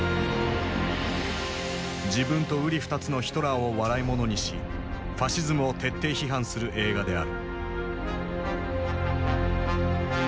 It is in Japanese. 自分とうり二つのヒトラーを笑いものにしファシズムを徹底批判する映画である。